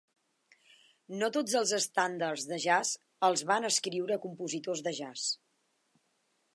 No tots els estàndards de jazz els van escriure compositors de jazz.